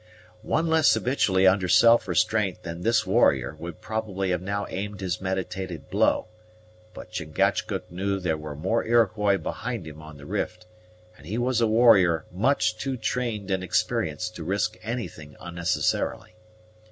One less habitually under self restraint than this warrior would probably have now aimed his meditated blow; but Chingachgook knew there were more Iroquois behind him on the rift, and he was a warrior much too trained and experienced to risk anything unnecessarily.